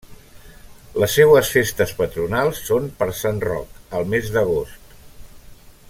Les seues festes patronals són per Sant Roc, al mes d'agost.